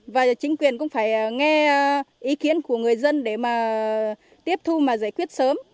và chính quyền cũng phải nghe ý kiến của người dân để mà tiếp thu mà giải quyết sớm